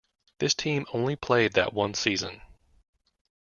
This team only played that one season.